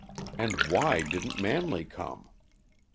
And why didn't Manley come?